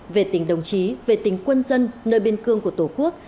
về tình đồng chí về tình quân dân nơi biên cương của tổ quốc